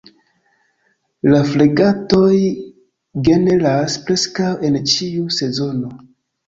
La fregatoj generas preskaŭ en ĉiu sezono.